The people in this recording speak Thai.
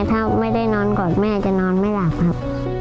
ถ้าไม่ได้นอนกอดแม่จะนอนไม่หลับครับ